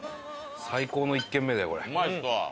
最高の１軒目だよこれ。